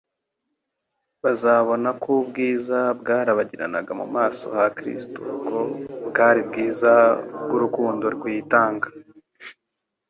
Bazabona ko ubwiza bwarabagiranaga mu maso ha Kristo ko bwari ubwiza bw'urukundo rwitanga.